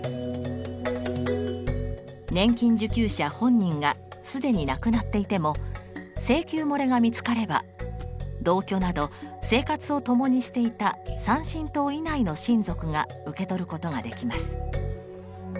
年金受給者本人が既に亡くなっていても請求もれが見つかれば同居など生活をともにしていた３親等以内の親族が受け取ることができます。